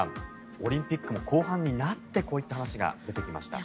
オリンピックも後半になってこういった話が出てきました。